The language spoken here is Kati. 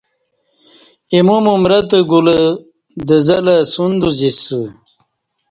ایمو ممرتہ گلہ د زہ لہ سن د زیسہ